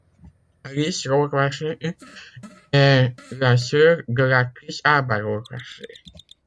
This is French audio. Alice Rohrwacher est la sœur de l'actrice Alba Rohrwacher.